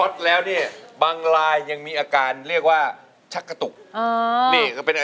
ทำไมครับมันช็อตทุกเดือน